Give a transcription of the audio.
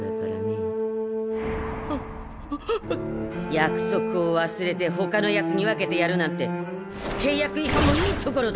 約束を忘れてほかのやつに分けてやるなんて契約違反もいいところだ！